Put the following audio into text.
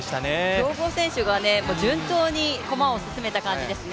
強豪選手が順調に駒を進めた感じですね。